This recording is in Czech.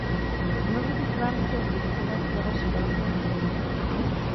Znovu bych vám chtěl poděkovat za vaše velké nasazení.